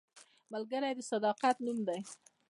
ملګری د صداقت نوم دی